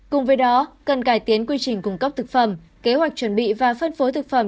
cùng với đó cần cải tiến quy trình cung cấp thực phẩm kế hoạch chuẩn bị và phân phối thực phẩm